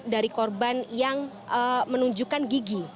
dari korban yang menunjukkan gigi